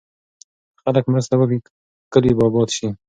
که خلک مرسته وکړي، کلي به اباد شي.